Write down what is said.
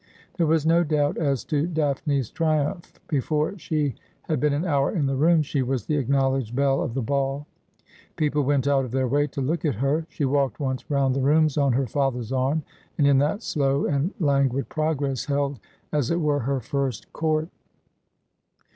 There was no doubt as to Daphne's triumph. Before she had been an hour in the room, she was the acknowledged belle of the ball. People went out of their way to look at her. She walked once round the rooms on her father's arm, and in that slow and languid progress held, as it were, her first court.